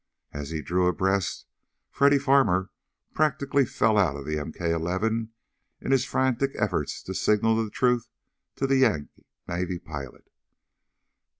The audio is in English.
As he drew abreast Freddy Farmer practically fell out of the MK 11 in his frantic efforts to signal the truth to the Yank Navy pilot.